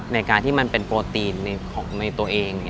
ในการที่มันเป็นโปรตีนของในตัวเอง